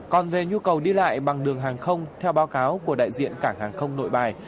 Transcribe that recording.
còn về nhu cầu đi lại bằng đường hàng không theo báo cáo của đại diện cảng hàng không nội bài